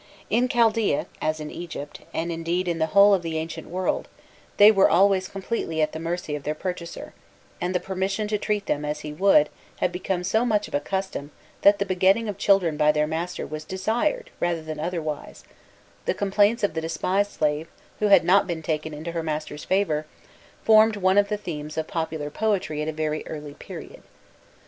In Chaldaea, as in Egypt, and indeed in the whole of the ancient world, they were always completely at the mercy of their purchaser, and the permission to treat them as he would had become so much of a custom that the begetting of children by their master was desired rather than otherwise: the complaints of the despised slave, who had not been taken into her master's favour, formed one of the themes of popular poetry at a very early period.